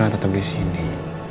reyna tetap disini